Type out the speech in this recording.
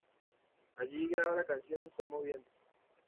Allí graba la canción "Somos viento".